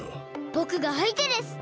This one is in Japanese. ぼくがあいてです！